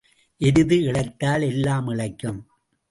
எருது இளைத்தால் எல்லாம் இளைக்கும்.